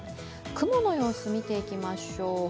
雲の様子、見ていきましょう。